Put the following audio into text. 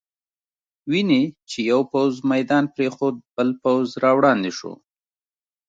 وینې چې یو پوځ میدان پرېښود، بل پوځ را وړاندې شو.